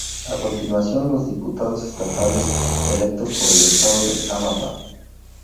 A continuación los diputados estatales electos por el estado de Amapá.